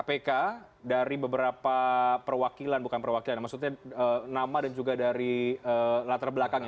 kpk dari beberapa perwakilan bukan perwakilan maksudnya nama dan juga dari latar belakangnya